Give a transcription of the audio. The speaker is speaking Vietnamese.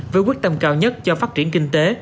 với quyết tâm cao nhất cho phát triển kinh tế